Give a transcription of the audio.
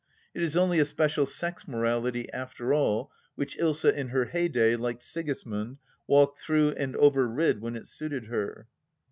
It is only a special sex morality after all, which Ilsa in her hey day, like Sigismund, walked through and over rid when it suited her.